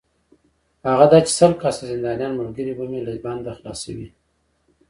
هغه دا چې سل کسه زندانیان ملګري به مې له بنده خلاصوې.